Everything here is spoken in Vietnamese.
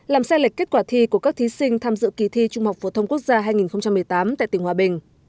làm sai lệch kết quả thi của các thí sinh tham dự kỳ thi trung học phổ thông quốc gia hai nghìn một mươi tám tại tỉnh hòa bình